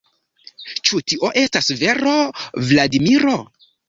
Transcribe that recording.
Ĉu tio estas vero, Vladimiro?